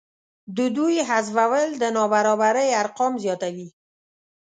د دوی حذفول د نابرابرۍ ارقام زیاتوي